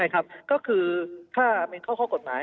ครับก็คือถ้ามีข้อผ้ากฎหมาย